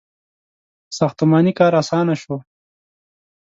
• ساختماني کار آسانه شو.